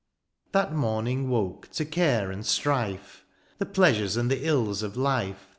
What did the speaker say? That morning woke to care and strife. The pleasures, and the ills of life.